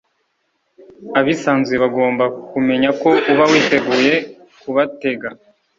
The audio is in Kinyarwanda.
abisanzuye bagomba kumenya ko uba witeguye kubatega